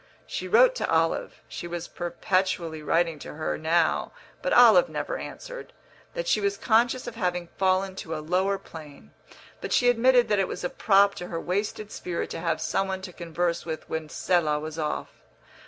She wrote to Olive (she was perpetually writing to her now, but Olive never answered) that she was conscious of having fallen to a lower plane, but she admitted that it was a prop to her wasted spirit to have some one to converse with when Selah was off.